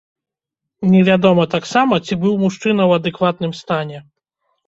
Невядома таксама, ці быў мужчына ў адэкватным стане.